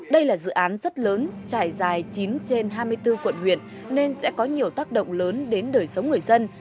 đây là dự án rất lớn trải dài chín trên hai mươi bốn quận huyện nên sẽ có nhiều tác động lớn đến đời sống người dân